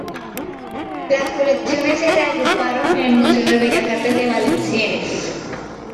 Las colecciones se reagruparon en el Museo de Bellas Artes de Valenciennes.